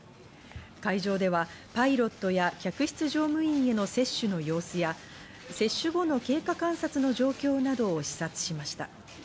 会場ではパイロットや客室乗務員への接種の様子や接種後の経過観察の状況などを視察しました。